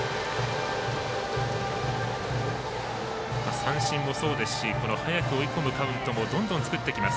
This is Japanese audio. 三振もそうですし早く追い込むカウントもどんどん作っていきます。